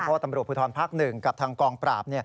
เพราะว่าตำรวจภูทรภาค๑กับทางกองปราบ